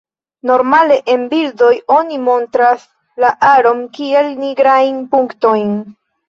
Normale en bildoj, oni montras la aron kiel nigrajn punktojn.